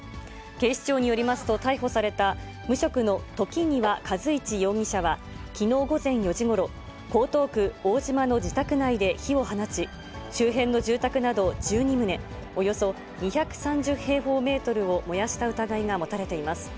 警視庁によりますと、逮捕された、無職の時庭和一容疑者は、きのう午前４時ごろ、江東区大島の自宅内で火を放ち、周辺の住宅など１２棟、およそ２３０平方メートルを燃やした疑いが持たれています。